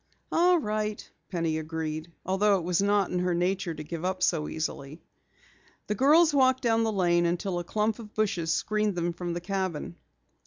"All right," Penny agreed, although it was not her nature to give up so easily. The girls walked down the lane until a clump of bushes screened them from the cabin.